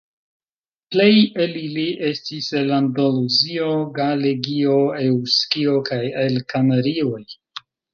Plej el ili estis el Andaluzio, Galegio, Eŭskio kaj el Kanarioj.